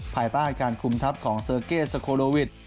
ภายใต้การคุมทัพของเซอร์เก้สโคโลวิท